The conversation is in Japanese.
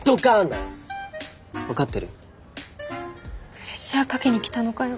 プレッシャーかけに来たのかよ。